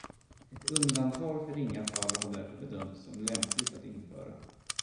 Ett undantag för ringa fall har därför bedömts som lämpligt att införa.